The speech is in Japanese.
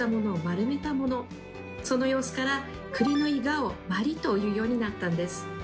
その様子から栗のイガを毬と言うようになったんです。